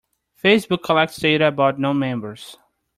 Facebook collects data about non-members.